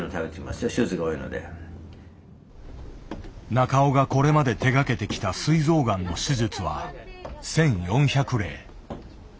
中尾がこれまで手がけてきたすい臓がんの手術は１，４００例。